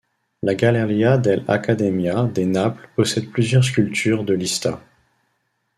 La Galleria dell'Accademia de Naples possède plusieurs sculptures de Lista.